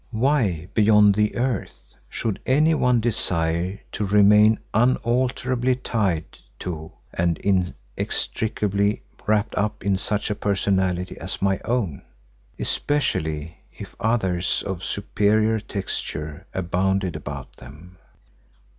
Why, beyond the earth, should anyone desire to remain unalterably tied to and inextricably wrapped up in such a personality as my own, especially if others of superior texture abounded about them?